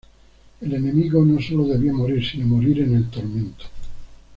El enemigo no solo debía morir sino morir en el tormento.